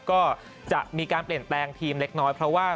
ก็จะมีการเปลี่ยนแปลงทีมเล็กน้อยเพราะว่า